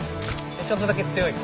ちょっとだけ強い顔。